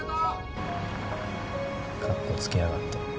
カッコつけやがって。